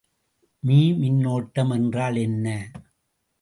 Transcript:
Me மின்னோட்டம் என்றால் என்ன?